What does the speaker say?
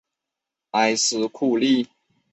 埃斯库利。